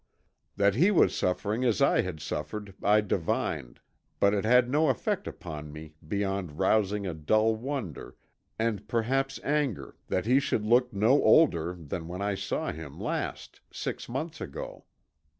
That he was suffering as I had suffered I divined, but it had no effect upon me beyond rousing a dull wonder and perhaps anger, that he should look no older than when I saw him last, six months ago.